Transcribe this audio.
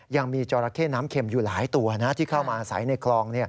ยังมีจราเข้น้ำเข็มอยู่หลายตัวที่เข้ามาอาศัยในคลอง